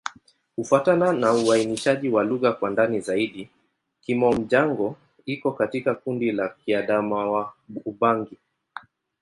Kufuatana na uainishaji wa lugha kwa ndani zaidi, Kimom-Jango iko katika kundi la Kiadamawa-Ubangi.